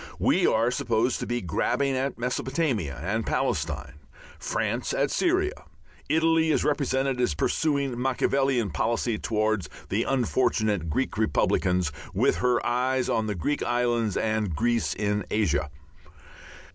We are supposed to be grabbing at Mesopotamia and Palestine, France at Syria; Italy is represented as pursuing a Machiavellian policy towards the unfortunate Greek republicans, with her eyes on the Greek islands and Greece in Asia.